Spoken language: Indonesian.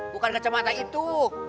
bukan kacamata itu